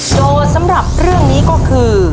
สำหรับเรื่องนี้ก็คือ